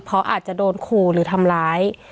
เพราะอาจจะโดนขู่หรือทำร้าย